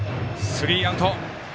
スリーアウト。